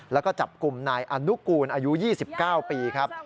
แล้วก็จับกลุ่มนายอนุกูลอายุ๒๙ปีครับ